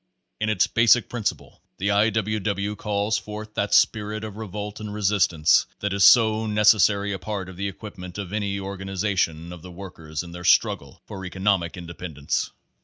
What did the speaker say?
In its basic principle the I. W. W. calls forth that spirit of revolt and resistance that is so necessary a part of the equipment of any organization of the work ; ers in their struggle for economic independence.